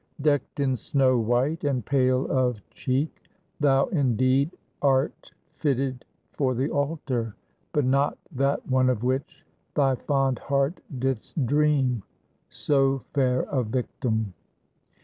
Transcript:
"Decked in snow white, and pale of cheek, thou indeed art fitted for the altar; but not that one of which thy fond heart did'st dream: so fair a victim!"